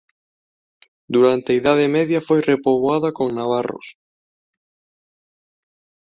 Durante a Idade Media foi repoboada con navarros.